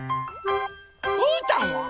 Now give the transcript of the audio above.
うーたんは？